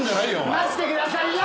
待ってくださいよ！